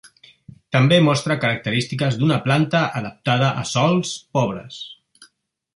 També mostra característiques d'una planta adaptada a sòls pobres.